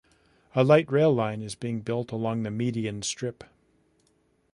A light rail line is being built along the median strip.